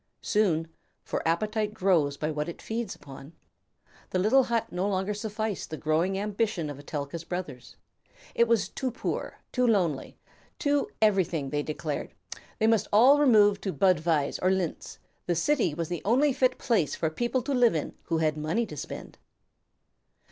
Soon for appetite grows by what it feeds upon the little hut no longer sufficed the growing ambition of Etelka's brothers. It was too poor, too lonely, too everything, they declared; they must all remove to Budweis or Linz; the city was the only fit place for people to live in who had money to spend.